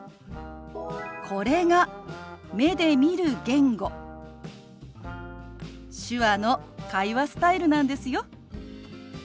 これが目で見る言語手話の会話スタイルなんですよ。